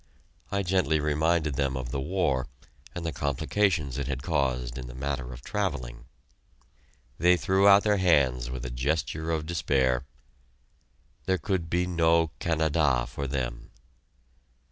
I gently reminded them of the war and the complications it had caused in the matter of travelling. They threw out their hands with a gesture of despair there could be no Canada for them.